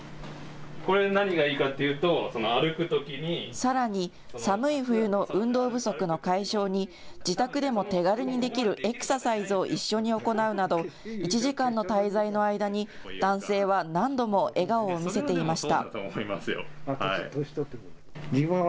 これの何がいいかっていうと、さらに寒い冬の運動不足の解消に、自宅でも手軽にできるエクササイズを一緒に行うなど、１時間の滞在の間に、男性は何度も笑顔を見せていました。